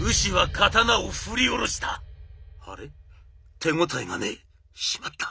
手応えがねえ。しまった。